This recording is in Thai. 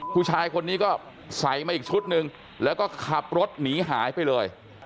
ผู้ชายคนนี้ก็ใส่มาอีกชุดหนึ่งแล้วก็ขับรถหนีหายไปเลย